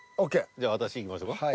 じゃあ私いきましょか。